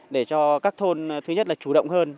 để cho các thôn thứ nhất là chủ động hơn